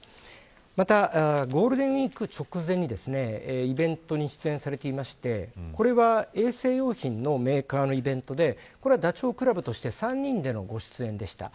また、ゴールデンウイーク直前にイベントに出演されていましてこれは衛生用品のメーカーのイベントでダチョウ倶楽部として３人でのご出演でした。